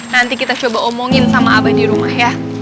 nanti kita coba omongin sama abah di rumah ya